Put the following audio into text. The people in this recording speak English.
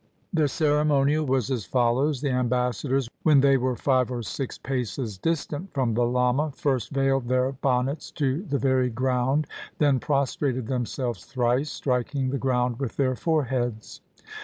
The ceremonial was as follows : The ambassadors, when they were five or six paces distant from the lama, first veiled their bonnets to the very ground, then prostrated themselves thrice, striking the ground with their fore heads.